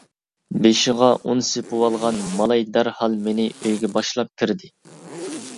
بېشىغا ئۇن سېپىۋالغان مالاي دەرھال مېنى ئۆيگە باشلاپ كىردى.